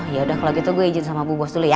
jadi kalo gitu gue ijin sama bu bos dulu ya